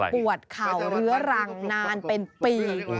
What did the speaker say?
ปวดเข่าเรื้อรังนานเป็นปี